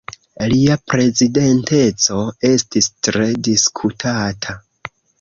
Lia prezidenteco estis tre diskutata.